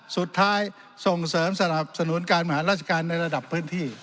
สุดท้ายส่งเสริมสนับสนุนการมหาราชการในระดับพื้นที่